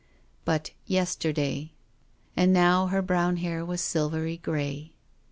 But yesterday I And now her brown hair was silvery grey.